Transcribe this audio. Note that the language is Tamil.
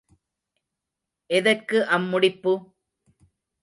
எதற்கு அம் முடிப்பு?